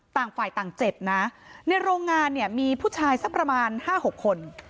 ต่างฝ่ายต่างเจ็บนะในโรงงานมีผู้ชายสักประมาณ๕๖คน